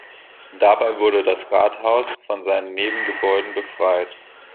Dabei wurde das Rathaus von seinen Nebengebäuden befreit.